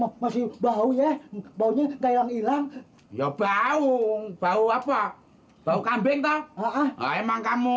kok masih bau ya maunya kaya hilang hilang ya bau bau apa bau kambing kau emang kamu